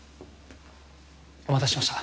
お待たせしました。